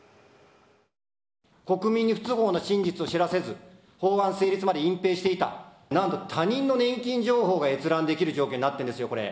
国民に不都合な真実を知らせず、法案成立まで隠蔽していた、なんと他人の年金情報が閲覧できる状況になってるんですよ、これ。